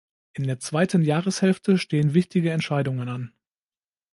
In der zweiten Jahreshälfte stehen wichtige Entscheidungen an.